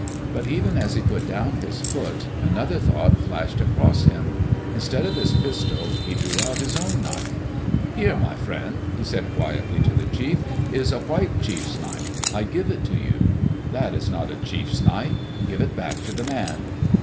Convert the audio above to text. But even as he put down his foot, another thought flashed across him. Instead of his pistol, he drew out his own knife. "Here, my friend," he said quietly to the chief, "is a white chief's knife. I give it to you. That is not a chiefs knife. Give it back to the man."